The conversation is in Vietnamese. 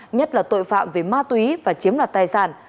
nhất là tội phạm về ma túy và chiếm đoạt tài sản